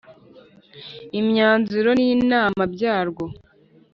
imyanzuro n inama byarwo